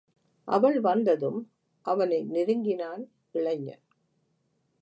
அவள் வந்ததும், அவனை நெருங்கினான் இளைஞன்.